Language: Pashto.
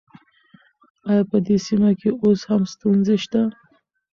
آيا په دې سيمه کې اوس هم ستونزې شته؟